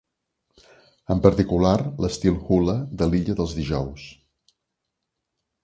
En particular, l'estil "hula" de l'illa dels Dijous.